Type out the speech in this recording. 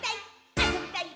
あそびたい！